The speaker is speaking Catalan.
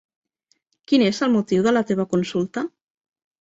Quin és el motiu de la teva consulta?